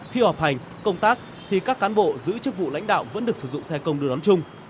khi học hành công tác thì các cán bộ giữ chức vụ lãnh đạo vẫn được sử dụng xe công đưa đón chung